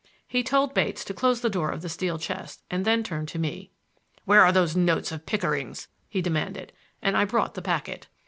He told Bates to close the door of the steel chest, and then turned to me. "Where are those notes of Pickering's?" he demanded; and I brought the packet.